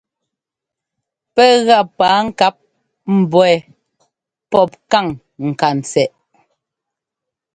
Pɛ́ gá paa-ŋkáp mbɔ̌ wɛ́ pɔ́p káŋ ŋkantsɛꞌ.